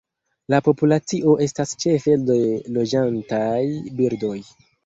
La populacio estas ĉefe de loĝantaj birdoj.